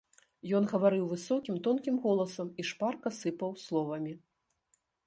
Ён гаварыў высокім, тонкім голасам і шпарка сыпаў словамі.